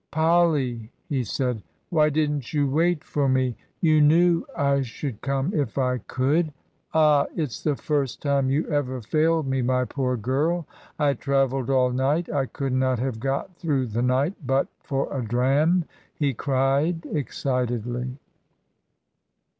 "Polly!" he said, "why didn't you wait for me? — you knew I should come if I could! Ah! it's the first time you ever failed me, my poor girl! I travelled all night I could not have got through the night but for a dram," he cried, excitedly.